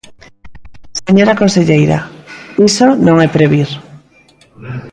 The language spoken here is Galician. Señora conselleira, iso non é previr.